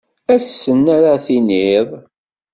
Ass-n ara tiniḍ.